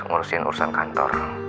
ngurusin urusan kantor